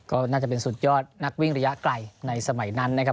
ก็น่าจะเป็นสุดยอดนักวิ่งระยะไกลในสมัยนั้นนะครับ